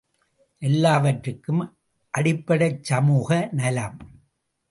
எல்லாவற்றிற்கும் அடிப்படை சமூக நலம்.